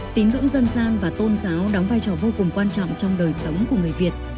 tín ngưỡng dân gian và tôn giáo đóng vai trò vô cùng quan trọng trong đời sống của người việt